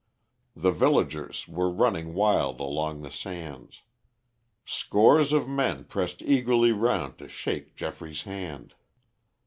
The villagers were running wild along the sands. Scores of men pressed eagerly round to shake Geoffrey's hand.